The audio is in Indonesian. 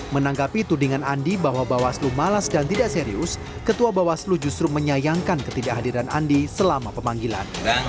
menanggapi tudingan andi bahwa bawaslu malas dan tidak serius ketua bawaslu justru menyayangkan ketidakhadiran andi selama pemanggilan